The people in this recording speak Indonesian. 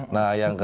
nah yang ke